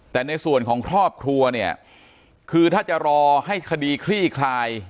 แต่ในส่วนของครอบครัวเนี่ยคือถ้าจะรอให้คดีคลี่คลาย